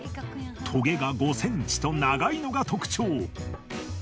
トゲが５ｃｍと長いのが特徴。